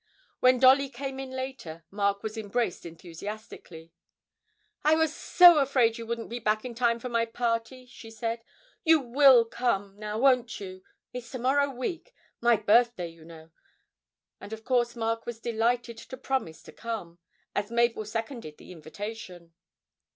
When Dolly came in later, Mark was embraced enthusiastically. 'I was so afraid you wouldn't be back in time for my party,' she said. 'You will come now won't you? It's to morrow week; my birthday, you know.' And of course Mark was delighted to promise to come, as Mabel seconded the invitation.